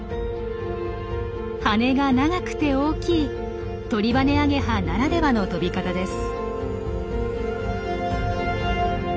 羽が長くて大きいトリバネアゲハならではの飛び方です。